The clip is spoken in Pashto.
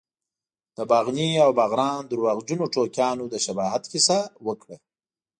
د باغني او باغران درواغجنو ټوکیانو د شباهت کیسه وکړه.